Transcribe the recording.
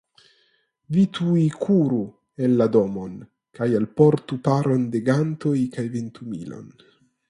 Vi tuj kuru en la domon kaj alportu paron da gantoj kaj ventumilon.